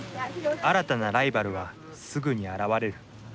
新たなライバルはすぐに現れる。